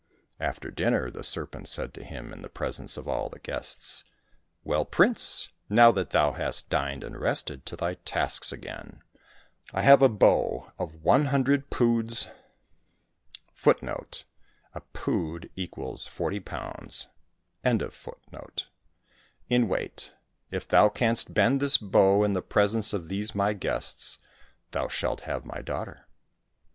After dinner the ser pent said to him, in the presence of all the guests, " Well, prince, now that thou hast dined and rested, to thy tasks again ! I have a bow of one hundred 275 COSSACK FAIRY TALES poods ^ in weight. If thou canst bend this bow in the presence of these my guests, thou shalt have my daughter